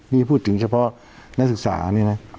นี่พูดถึงเฉพาะนักศึกษานี่นะ